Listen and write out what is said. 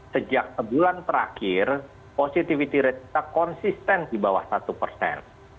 sejak sebulan terakhir positivity rate kita konsisten di bawah satu persen